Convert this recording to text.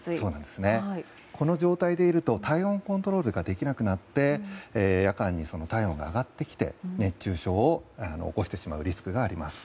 この状態でいると体温コントロールができなくなって夜間に体温が上がってきて熱中症を起こしてしまうリスクがあります。